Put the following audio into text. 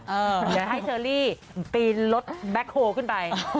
เดี๋ยวให้เชอรี่ปีนรถแบ็คโฮลขึ้นไป